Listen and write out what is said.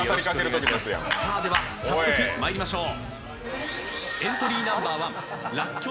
ではまいりましょう。